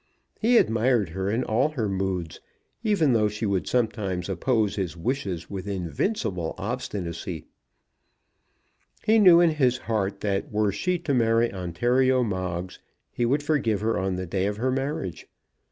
He admired her in all her moods, even though she would sometimes oppose his wishes with invincible obstinacy. He knew in his heart that were she to marry Ontario Moggs he would forgive her on the day of her marriage.